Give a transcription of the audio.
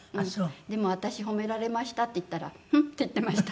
でも「私褒められました」って言ったら「フン！」って言ってました。